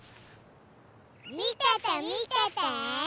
みててみてて！